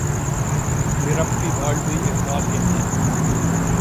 திறப்பி valve என்றால் என்ன?